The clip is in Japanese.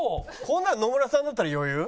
こんなの野村さんだったら余裕？